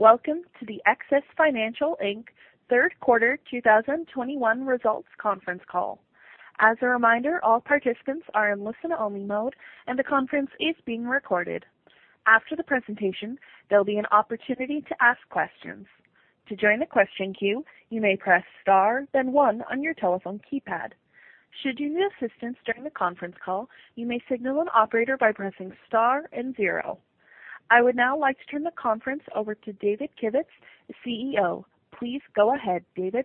Welcome to the XS Financial Inc. Third Quarter 2021 Results Conference Call. As a reminder, all participants are in listen-only mode, and the conference is being recorded. After the presentation, there'll be an opportunity to ask questions. To join the question queue, you may press star, then one on your telephone keypad. Should you need assistance during the conference call, you may signal an operator by pressing star and zero. I would now like to turn the conference over to David Kivitz, CEO. Please go ahead, David.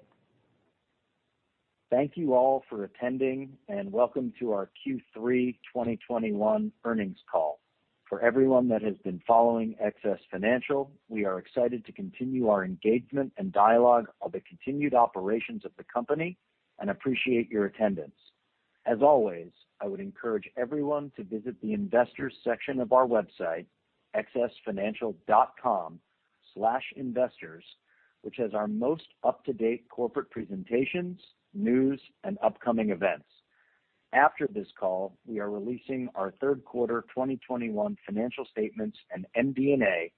Thank you all for attending, and welcome to our Q3 2021 earnings call. For everyone that has been following XS Financial, we are excited to continue our engagement and dialogue of the continued operations of the company and appreciate your attendance. As always, I would encourage everyone to visit the investors section of our website, xsfinancial.com/investors, which has our most up-to-date corporate presentations, news, and upcoming events. After this call, we are releasing our third quarter 2021 financial statements and MD&A,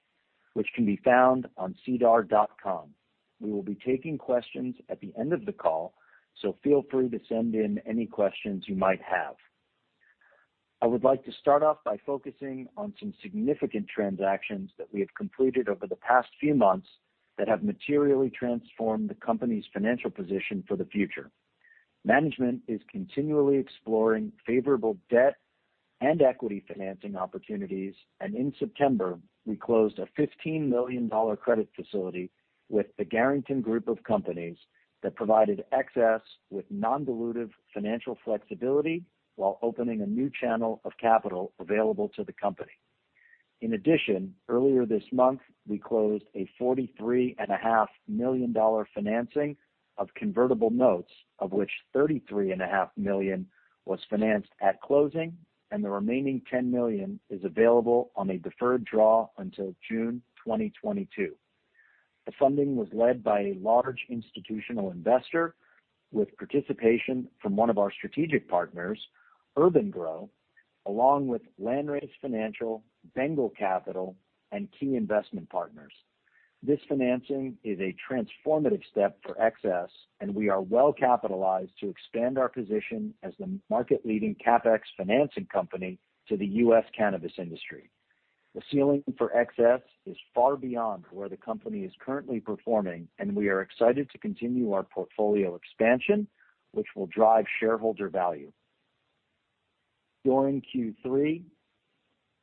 which can be found on sedar.com. We will be taking questions at the end of the call, so feel free to send in any questions you might have. I would like to start off by focusing on some significant transactions that we have completed over the past few months that have materially transformed the company's financial position for the future. Management is continually exploring favorable debt and equity financing opportunities, and in September, we closed a $15 million credit facility with the Garrington Group of Companies that provided XS with non-dilutive financial flexibility while opening a new channel of capital available to the company. In addition, earlier this month, we closed a $43.5 million financing of convertible notes, of which $33.5 million was financed at closing, and the remaining $10 million is available on a deferred draw until June 2022. The funding was led by a large institutional investor with participation from one of our strategic partners, urban-gro, along with Landrace Financial, Bengal Capital, and KEY Investment Partners. This financing is a transformative step for XS, and we are well-capitalized to expand our position as the market-leading CAPEX financing company to the U.S. cannabis industry. The ceiling for XS is far beyond where the company is currently performing, and we are excited to continue our portfolio expansion, which will drive shareholder value. During Q3,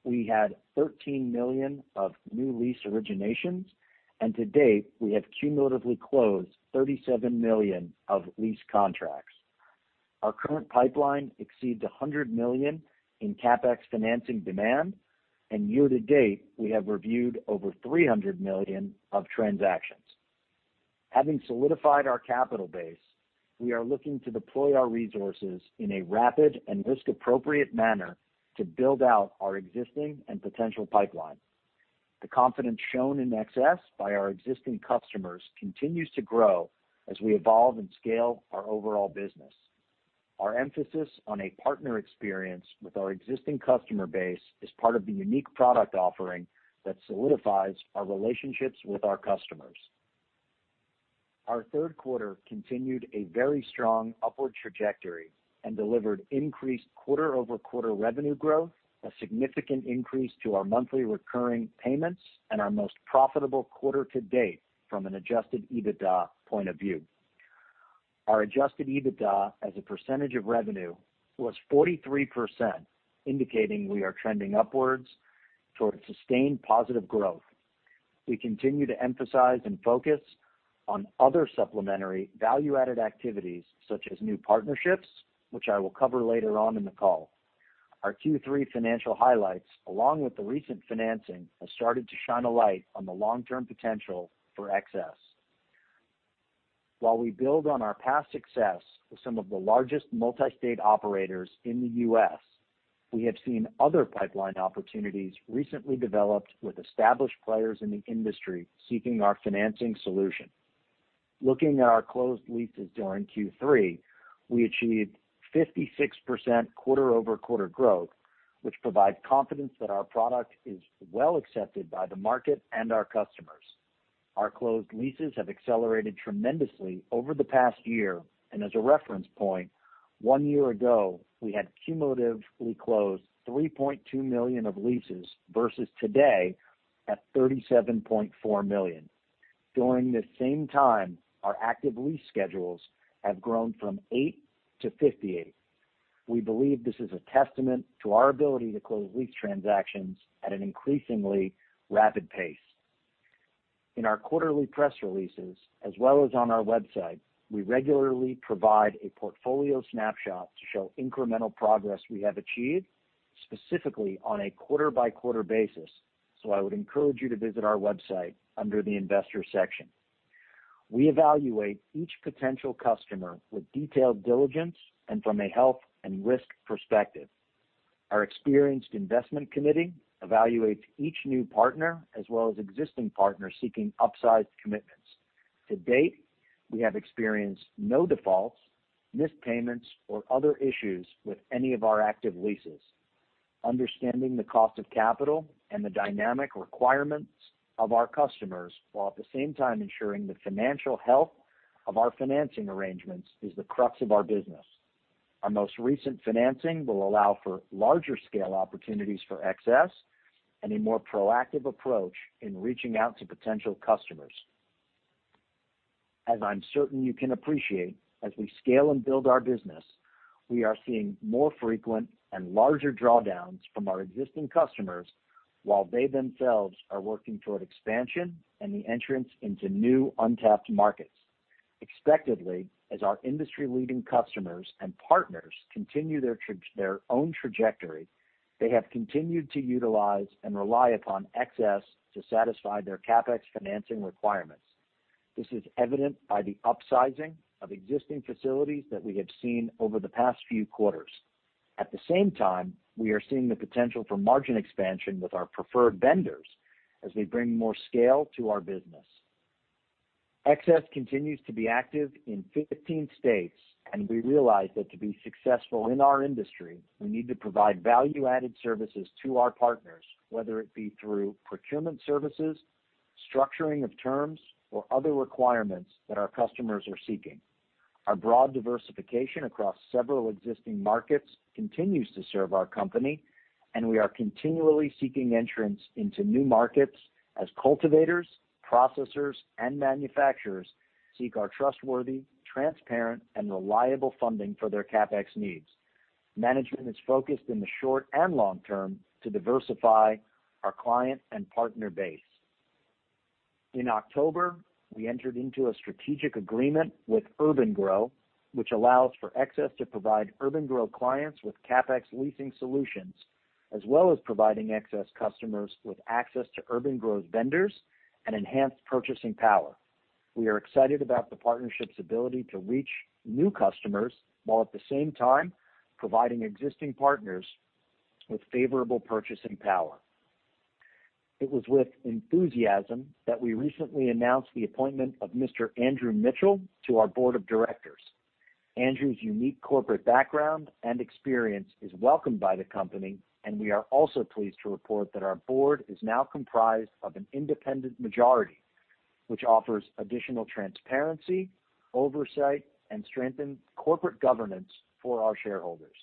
we had $13 million of new lease originations, and to date, we have cumulatively closed $37 million of lease contracts. Our current pipeline exceeds $100 million in CAPEX financing demand, and year to date, we have reviewed over $300 million of transactions. Having solidified our capital base, we are looking to deploy our resources in a rapid and risk-appropriate manner to build out our existing and potential pipeline. The confidence shown in XS by our existing customers continues to grow as we evolve and scale our overall business. Our emphasis on a partner experience with our existing customer base is part of the unique product offering that solidifies our relationships with our customers. Our third quarter continued a very strong upward trajectory and delivered increased quarter-over-quarter revenue growth, a significant increase to our monthly recurring payments, and our most profitable quarter to date from an adjusted EBITDA point of view. Our adjusted EBITDA as a percentage of revenue was 43%, indicating we are trending upwards towards sustained positive growth. We continue to emphasize and focus on other supplementary value-added activities such as new partnerships, which I will cover later on in the call. Our Q3 financial highlights, along with the recent financing, have started to shine a light on the long-term potential for XS. While we build on our past success with some of the largest multi-state operators in the U.S., we have seen other pipeline opportunities recently developed with established players in the industry seeking our financing solution. Looking at our closed leases during Q3, we achieved 56% quarter-over-quarter growth, which provides confidence that our product is well accepted by the market and our customers. Our closed leases have accelerated tremendously over the past year, and as a reference point, one year ago, we had cumulatively closed $3.2 million of leases versus today at $37.4 million. During the same time, our active lease schedules have grown from eight to 58. We believe this is a testament to our ability to close lease transactions at an increasingly rapid pace. In our quarterly press releases as well as on our website, we regularly provide a portfolio snapshot to show incremental progress we have achieved, specifically on a quarter-by-quarter basis, so I would encourage you to visit our website under the investor section. We evaluate each potential customer with detailed diligence and from a wealth and risk perspective. Our experienced investment committee evaluates each new partner as well as existing partners seeking upsized commitments. To date, we have experienced no defaults, missed payments, or other issues with any of our active leases. Understanding the cost of capital and the dynamic requirements of our customers, while at the same time ensuring the financial health of our financing arrangements, is the crux of our business. Our most recent financing will allow for larger scale opportunities for XS and a more proactive approach in reaching out to potential customers. As I'm certain you can appreciate, as we scale and build our business, we are seeing more frequent and larger drawdowns from our existing customers while they themselves are working toward expansion and the entrance into new untapped markets. Expectedly, as our industry-leading customers and partners continue their own trajectory, they have continued to utilize and rely upon XS to satisfy their CAPEX financing requirements. This is evident by the upsizing of existing facilities that we have seen over the past few quarters. At the same time, we are seeing the potential for margin expansion with our preferred vendors as we bring more scale to our business. XS continues to be active in 15 states, and we realize that to be successful in our industry, we need to provide value-added services to our partners, whether it be through procurement services, structuring of terms, or other requirements that our customers are seeking. Our broad diversification across several existing markets continues to serve our company, and we are continually seeking entrance into new markets as cultivators, processors, and manufacturers seek our trustworthy, transparent, and reliable funding for their CAPEX needs. Management is focused in the short and long term to diversify our client and partner base. In October, we entered into a strategic agreement with urban-gro, which allows for XS to provide urban-gro clients with CAPEX leasing solutions, as well as providing excess customers with access to urban-gro's vendors and enhanced purchasing power. We are excited about the partnership's ability to reach new customers while at the same time providing existing partners with favorable purchasing power. It was with enthusiasm that we recently announced the appointment of Mr. Andrew Mitchell to our board of directors. Andrew's unique corporate background and experience is welcomed by the company, and we are also pleased to report that our board is now comprised of an independent majority, which offers additional transparency, oversight, and strengthened corporate governance for our shareholders.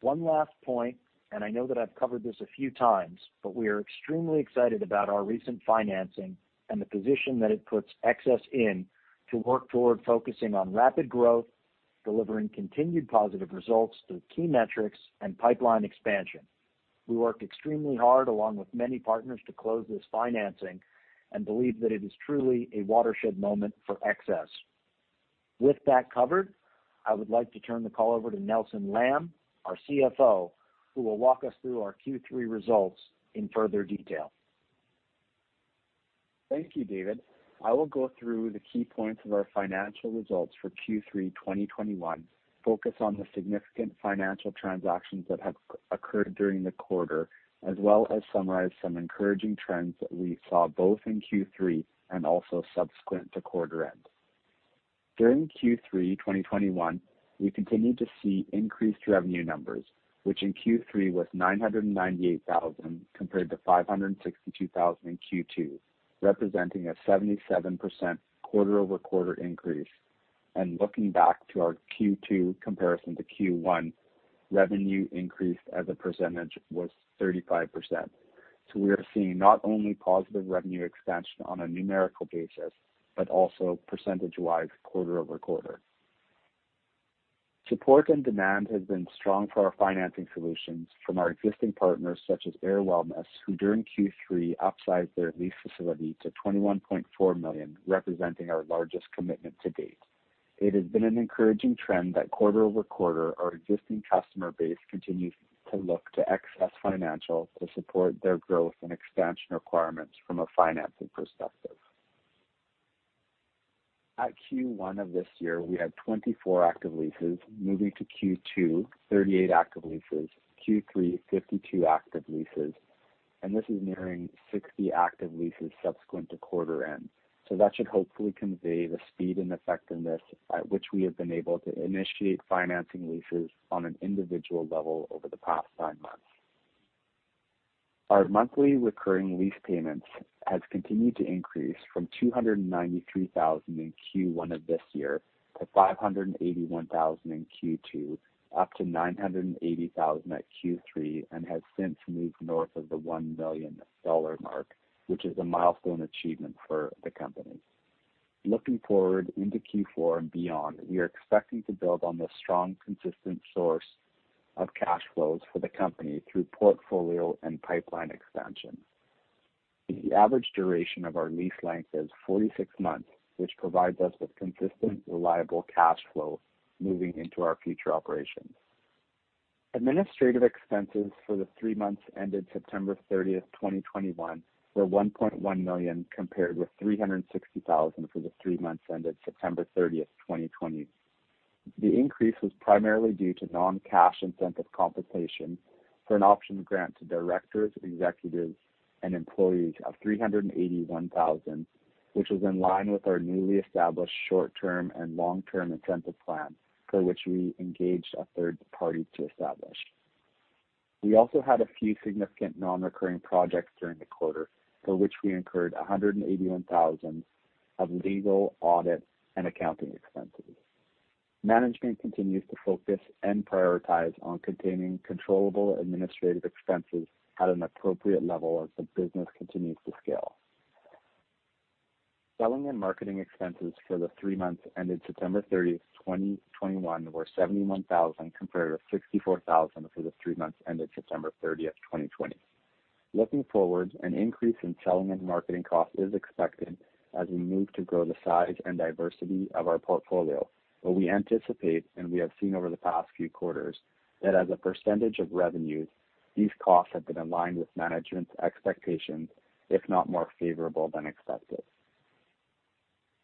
One last point, and I know that I've covered this a few times, but we are extremely excited about our recent financing and the position that it puts XS in to work toward focusing on rapid growth, delivering continued positive results through key metrics and pipeline expansion. We worked extremely hard along with many partners to close this financing and believe that it is truly a watershed moment for XS. With that covered, I would like to turn the call over to Nelson Lamb, our CFO, who will walk us through our Q3 results in further detail. Thank you, David. I will go through the key points of our financial results for Q3 2021, focus on the significant financial transactions that have occurred during the quarter, as well as summarize some encouraging trends that we saw both in Q3 and also subsequent to quarter end. During Q3 2021, we continued to see increased revenue numbers, which in Q3 was $0.998 million compared to $0.562 million in Q2, representing a 77% quarter-over-quarter increase. Looking back to our Q2 comparison to Q1, revenue increase as a percentage was 35%. We are seeing not only positive revenue expansion on a numerical basis, but also percentage-wise quarter over quarter. Support and demand has been strong for our financing solutions from our existing partners such as Ayr Wellness, who during Q3 upsized their lease facility to $21.4 million, representing our largest commitment to date. It has been an encouraging trend that quarter-over-quarter, our existing customer base continues to look to XS Financial to support their growth and expansion requirements from a financing perspective. At Q1 of this year, we had 24 active leases. Moving to Q2, 38 active leases. Q3, 52 active leases. And this is nearing 60 active leases subsequent to quarter end. That should hopefully convey the speed and effectiveness at which we have been able to initiate financing leases on an individual level over the past five months. Our monthly recurring lease payments has continued to increase from $0.293 million in Q1 of this year to $581,000 in Q2, up to $0.98 million at Q3, and has since moved north of $1 million, which is a milestone achievement for the company. Looking forward into Q4 and beyond, we are expecting to build on this strong, consistent source of cash flows for the company through portfolio and pipeline expansion. The average duration of our lease length is 46 months, which provides us with consistent, reliable cash flow moving into our future operations. Administrative expenses for the three months ended September 30, 2021, were $1.1 million, compared with $0.36 million for the three months ended September 30, 2020. The increase was primarily due to non-cash incentive compensation for an option grant to directors, executives, and employees of $381,000, which was in line with our newly established short-term and long-term incentive plan, for which we engaged a third party to establish. We also had a few significant non-recurring projects during the quarter, for which we incurred $0.181 million of legal, audit, and accounting expenses. Management continues to focus and prioritize on containing controllable administrative expenses at an appropriate level as the business continues to scale. Selling and marketing expenses for the three months ended September 30, 2021, were $71,000 compared to $64,000 for the three months ended September 30, 2020. Looking forward, an increase in selling and marketing cost is expected as we move to grow the size and diversity of our portfolio. We anticipate, and we have seen over the past few quarters, that as a percentage of revenues, these costs have been in line with management's expectations, if not more favorable than expected.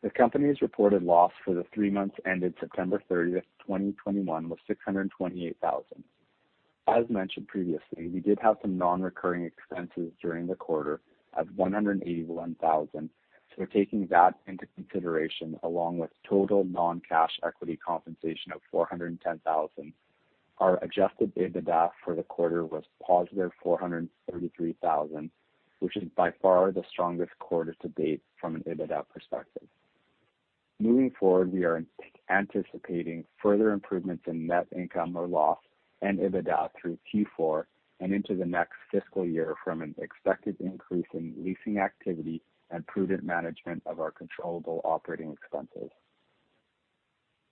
The company's reported loss for the three months ended September 30, 2021, was $0.628 million. As mentioned previously, we did have some non-recurring expenses during the quarter of $0.181 million. Taking that into consideration, along with total non-cash equity compensation of $0.41 million, our adjusted EBITDA for the quarter was positive $0.433 million, which is by far the strongest quarter to date from an EBITDA perspective. Moving forward, we are anticipating further improvements in net income or loss and EBITDA through Q4 and into the next fiscal year from an expected increase in leasing activity and prudent management of our controllable operating expenses.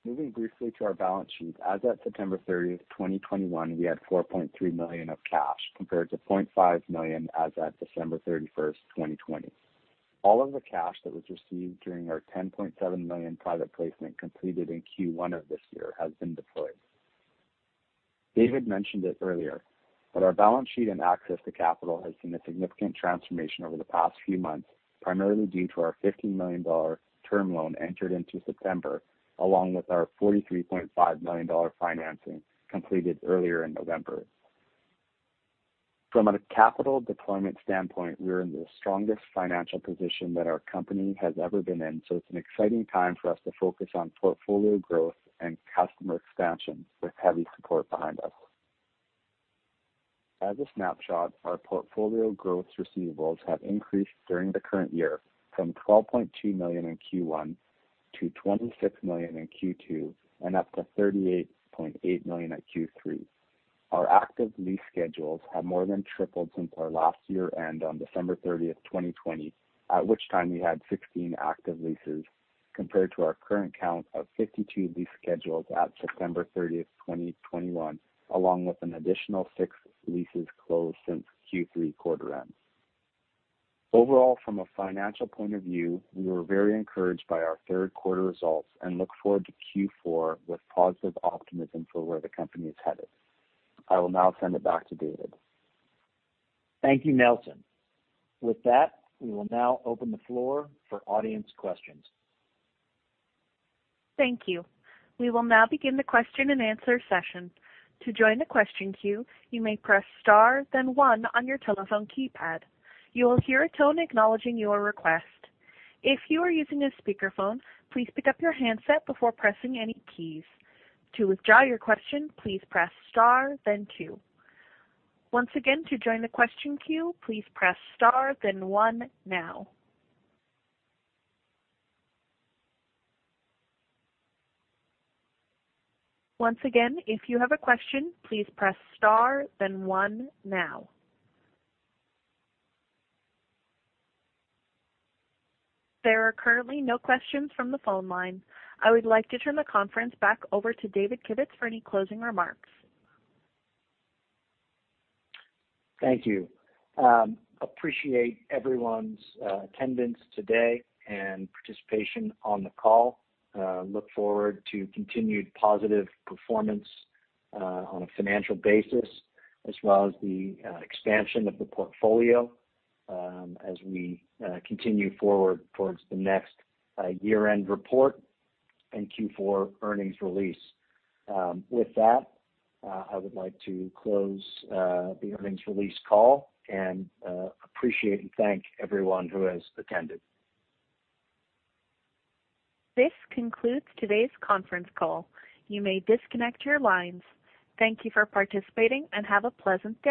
Moving briefly to our balance sheet, as at September 30, 2021, we had $4.3 million of cash, compared to $0.5 million as at December 31, 2020. All of the cash that was received during our $10.7 million private placement completed in Q1 of this year has been deployed. David mentioned it earlier, but our balance sheet and access to capital has seen a significant transformation over the past few months, primarily due to our $50 million term loan entered into September, along with our $43.5 million financing completed earlier in November. From a capital deployment standpoint, we are in the strongest financial position that our company has ever been in, so it's an exciting time for us to focus on portfolio growth and customer expansion with heavy support behind us. As a snapshot, our portfolio growth receivables have increased during the current year from $12.2 million in Q1 to $26 million in Q2, and up to $38.8 million at Q3. Our active lease schedules have more than tripled since our last year end on December 30, 2020, at which time we had 16 active leases, compared to our current count of 52 lease schedules at September 30, 2021, along with an additional six leases closed since Q3 quarter end. Overall, from a financial point of view, we were very encouraged by our third quarter results and look forward to Q4 with positive optimism for where the company is headed. I will now send it back to David. Thank you, Nelson. With that, we will now open the floor for audience questions. Thank you. We will now begin the question and answer session. To join the question queue, you may press star, then one on your telephone keypad. You will hear a tone acknowledging your request. If you are using a speakerphone, please pick up your handset before pressing any keys. To withdraw your question, please press star, then two. Once again, to join the question queue, please press star then one now. Once again, if you have a question, please press star, then one now. There are currently no questions from the phone line. I would like to turn the conference back over to David Kivitz for any closing remarks. Thank you. Appreciate everyone's attendance today and participation on the call. Look forward to continued positive performance on a financial basis as well as the expansion of the portfolio as we continue forward towards the next year-end report and Q4 earnings release. With that, I would like to close the earnings release call and appreciate and thank everyone who has attended. This concludes today's conference call. You may disconnect your lines. Thank you for participating and have a pleasant day.